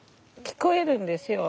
聞こえるんですよ。